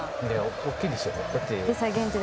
大きいですよ。